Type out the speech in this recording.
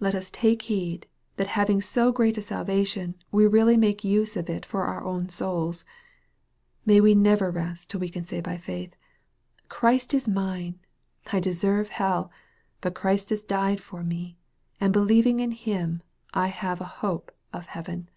Let us take heed, that having so great a salvation we really make use of it for our own souls. May we never rest till we can say by faith, " Christ is mine. I deserve hell. But Christ has died, for me, and believing in Him I have a hope of heaven."